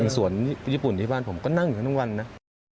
สวนญี่ปุ่นที่บ้านผมก็นั่งอยู่กันทั้งวันนะ